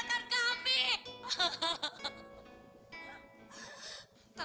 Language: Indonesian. umi aku mau ke rumah